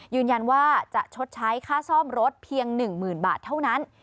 ยืนยันว่าจะชดใช้ค่าซ่อมรถเพียง๑๐๐๐บาทเท่านั้น